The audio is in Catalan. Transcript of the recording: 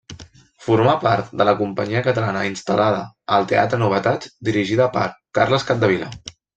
Formà part de la companyia catalana instal·lada al teatre Novetats dirigida per Carles Capdevila.